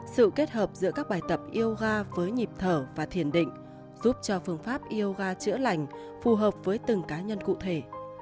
sự kết hợp giữa các bài tập yoga với nhịp thở và thiền định giúp cho phương pháp yoga chữa lành phù hợp với từng cá nhân cụ thể